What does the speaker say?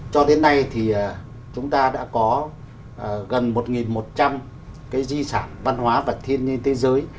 cho đến nay thì chúng ta đã có gần một một trăm linh cái di sản văn hóa và thiên nhiên thế giới